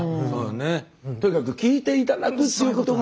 とにかく聞いて頂くっていうことが。